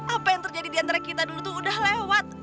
apa yang terjadi di antara kita dulu tuh udah lewat